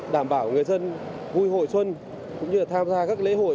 đảm bảo người dân vui hội xuân cũng như là tham gia các lễ hội